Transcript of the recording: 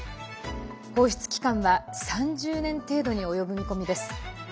放出期間は３０年程度に及ぶ見込みです。